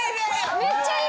めっちゃいい。